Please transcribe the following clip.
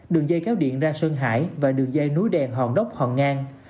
đường dây kéo điện ra sơn hải và đường dây núi đèn hòn đốc hòn ngang